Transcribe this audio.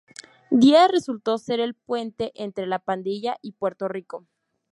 Díaz resultó ser el "puente" entre La Pandilla y Puerto Rico.